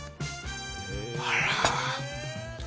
あら。